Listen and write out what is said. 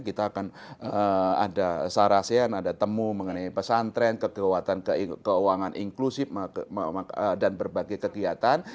kita akan ada sarasen ada temu mengenai pesantren keuangan inklusif dan berbagai kegiatan